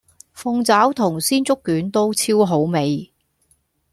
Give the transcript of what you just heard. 鳳爪同鮮竹卷都超好味